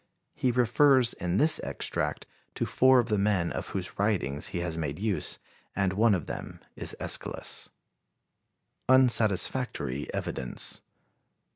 He refers in this extract to four of the men of whose writings he has made use, and one of them is Æschylus. Unsatisfactory Evidence.